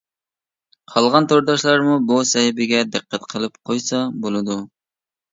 قالغان تورداشلارمۇ بۇ سەھىپىگە دىققەت قىلىپ قويسا بولىدۇ.